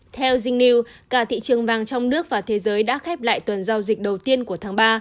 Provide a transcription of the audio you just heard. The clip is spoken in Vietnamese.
theo je news cả thị trường vàng trong nước và thế giới đã khép lại tuần giao dịch đầu tiên của tháng ba